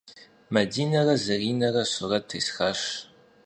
Мадинэрэ Заринэрэ сурэт тесхащ.